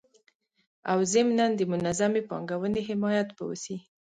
او ضمنان د منظمي پانګوني حمایت به وسي